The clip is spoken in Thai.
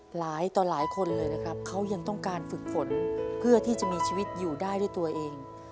หลายต่อหลายคนเลยนะครับเขายังต้องการฝึกฝนเพื่อที่จะมีชีวิตอยู่ได้ด้วยตัวเอง